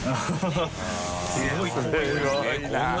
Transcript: すごいな。